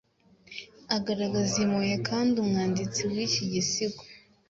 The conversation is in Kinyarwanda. agaragaza impuhwe kandi umwanditsi wiki gisigo